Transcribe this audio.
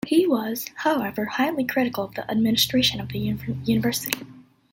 He was, however, highly critical of the administration of the university.